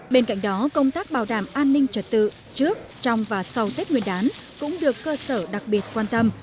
bên cạnh đó công tác bảo đảm an ninh trật tự trước trong và sau tết nguyên đán cũng được cơ sở đặc biệt quan tâm